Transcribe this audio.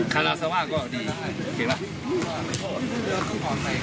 คาราซาว่าก็ดีเห็นไหม